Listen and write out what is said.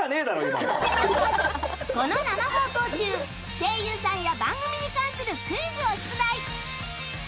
この生放送中声優さんや番組に関するクイズを出題。